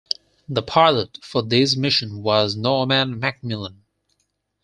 The pilot for this mission was Norman Macmillan.